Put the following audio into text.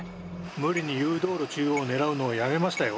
無理に誘導路中央を狙うのをやめましたよ。